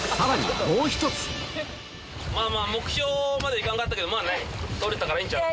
まぁ目標まではいかんかったけど採れたからいいんちゃう？